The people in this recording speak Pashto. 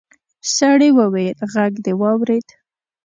سړي وويل غږ دې واورېد.